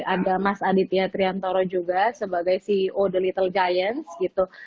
ada mas aditya triantoro juga sebagai ceo the little giants gitu